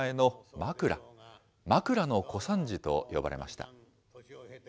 まくらの小三治と呼ばれました。